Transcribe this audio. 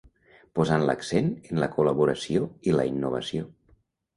Posant l'accent en la col·laboració i la innovació.